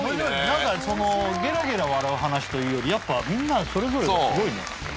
何かゲラゲラ笑う話というよりやっぱみんなそれぞれがすごいね。